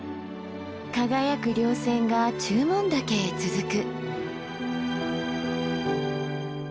輝く稜線が中門岳へ続く。